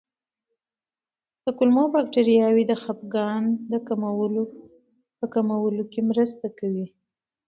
کولمو بکتریاوې د خپګان د کمولو کې مرسته کوي.